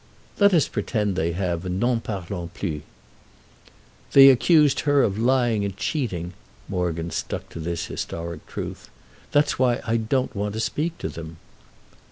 "Let us pretend they have, and n'en parlons plus." "They accused her of lying and cheating"—Morgan stuck to historic truth. "That's why I don't want to speak to them."